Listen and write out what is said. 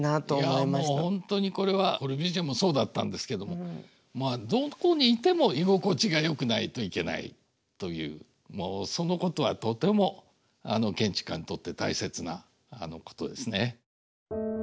いやもう本当にこれはコルビュジエもそうだったんですけどもまあどこにいても居心地がよくないといけないというもうそのことはとても建築家にとって大切なことですね。